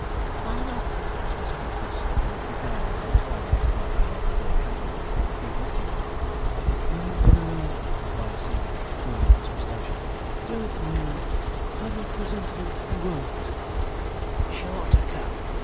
'Why not?' asked Miss Glitters, who was beguiling the twilight half hour before candles with knitting. 'Don't know,' replied Seedeybuck, twirling his moustache, 'don't know have a presentiment he won't.' 'Sure to come!'